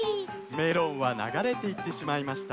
メロンはながれていってしまいました。